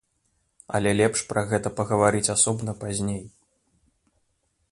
Але лепш пра гэта пагаварыць асобна пазней.